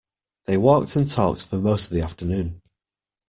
They walked and talked for most of the afternoon.